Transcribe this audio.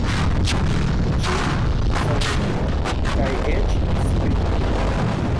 Ĉu saĝumita kaj eĉ sprita?